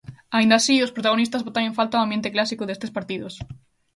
Aínda así, os protagonistas botan en falta o ambiente clásico destes partidos.